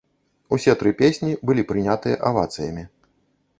Усе тры песні былі прынятыя авацыямі.